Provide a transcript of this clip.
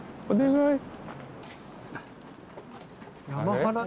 お願い。